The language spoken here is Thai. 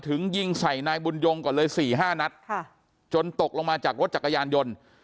ยิงใส่นายบุญยงก่อนเลย๔๕นัดจนตกลงมาจากรถจักรยานยนต์